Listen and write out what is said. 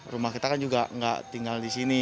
rumah kita kan juga nggak tinggal disini